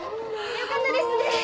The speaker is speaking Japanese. よかったですね。